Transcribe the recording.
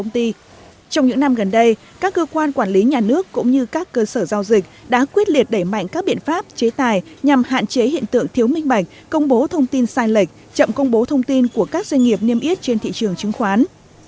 trong những năm gần đây các cơ quan quản lý nhà nước cũng như các cơ sở giao dịch đã quyết liệt đẩy mạnh các biện pháp chế tài nhằm hạn chế hiện tượng thiếu minh bạch công bố thông tin sai lệch chậm công bố thông tin của các doanh nghiệp niêm yết trên thị trường chứng khoán